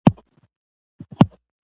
راشی چی پکتيا درباندې وګورم.